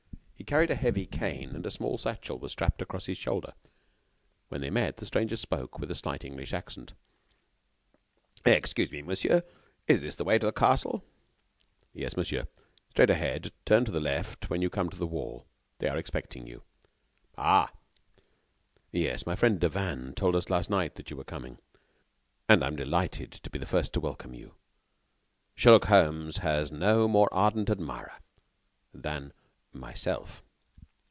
He carried a heavy cane, and a small satchel was strapped across his shoulder. When they met, the stranger spoke, with a slight English accent: "Excuse me, monsieur, is this the way to the castle?" "Yes, monsieur, straight ahead, and turn to the left when you come to the wall. They are expecting you." "Ah!" "Yes, my friend Devanne told us last night that you were coming, and I am delighted to be the first to welcome you. Sherlock Holmes has no more ardent admirer than.... myself."